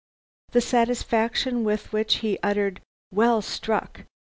The satisfaction with which he uttered, 'Well struck!'